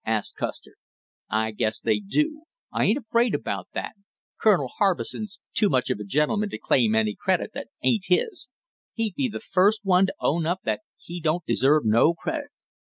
asked Custer. "I guess they do; I ain't afraid about that. Colonel Harbison's too much of a gentleman to claim any credit that ain't his; he'd be the first one to own up that he don't deserve no credit."